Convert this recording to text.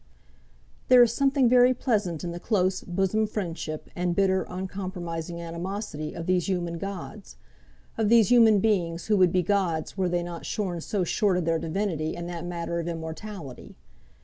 There is something very pleasant in the close, bosom friendship, and bitter, uncompromising animosity, of these human gods, of these human beings who would be gods were they not shorn so short of their divinity in that matter of immortality.